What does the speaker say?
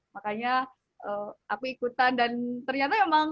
makanya aku ikutan dan ternyata emang seru banget